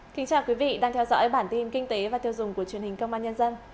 xin chào quý vị đang theo dõi bản tin kinh tế và tiêu dùng của truyền hình công an nhân dân